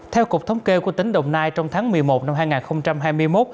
theo cục thống kê của tỉnh đồng nai trong tháng một mươi một năm hai nghìn hai mươi một